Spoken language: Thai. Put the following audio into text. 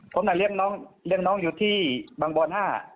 ผมเรียกน้องอยู่ที่บางบอล๕